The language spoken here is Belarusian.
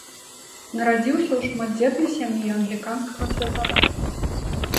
Нарадзіўся ў шматдзетнай сям'і англіканскага святара.